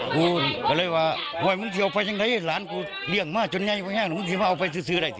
กูก็เลยว่าโหยมึงจะเอาไปยังไงหลานกูเลี่ยงมาจนยังไงมึงจะเอาไปซื้อซื้อได้สิ